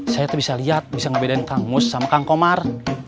saya tuh bisa lihat bisa ngebedain kang mus sama kang komar